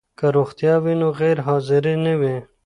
که روغتیا وي نو غیر حاضري نه وي.